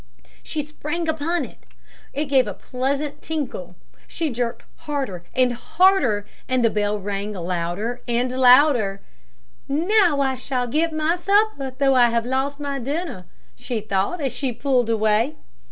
She sprang upon it. It gave a pleasant tinkle. She jerked harder and harder, and the bell rang louder and louder. "Now I shall get my supper, though I have lost my dinner," she thought as she pulled away.